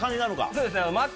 そうですね。